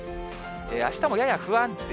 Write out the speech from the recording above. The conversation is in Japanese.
あしたもやや不安定。